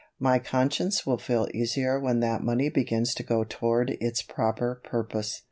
My conscience will feel easier when that money begins to go toward its proper purpose."